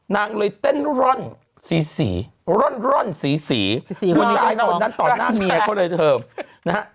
นางเลยเต้นร่อนสีสีร่อนสีคุณยายตอนนั้นต่อหน้าเมียเขาเลยเถอะนะฮะ